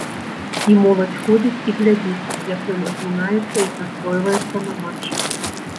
І моладзь ходзіць і глядзіць, як ён размінаецца, як настройваецца на матч.